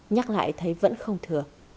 nhắc lại thấy vẫn không thừa